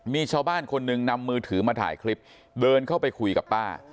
มีชาวบ้านคนหนึ่งนำมือถือมาถ่ายคลิปเดินเข้าไปคุยกับป้า